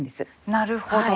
なるほど。